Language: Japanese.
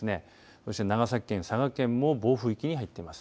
そして長崎県、佐賀県も暴風域に入っています。